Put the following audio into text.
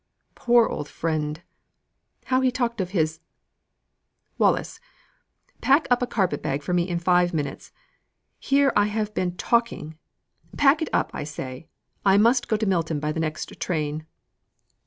Poor old friend! how he talked of his Wallis, pack up a carpet bag for me in five minutes. Here have I been talking. Pack it up, I say. I must go to Milton by the next train."